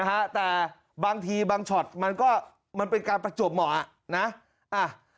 ฮะแต่บางทีบางช็อตมันก็มันเป็นการประจวบเหมาะนะอ่ะ